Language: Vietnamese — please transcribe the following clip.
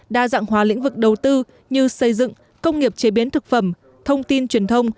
đa dạng hóa lĩnh vực đầu tư như xây dựng công nghiệp chế biến thực phẩm thông tin truyền thông